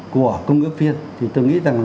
của công nghiệp viên thì tôi nghĩ rằng